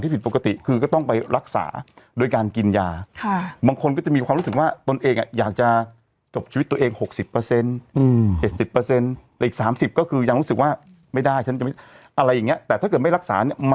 ที่ผิดปกติคือก็ต้องไปรักษาโดยการกินยาค่ะบางคนก็จะมีความรู้สึกว่า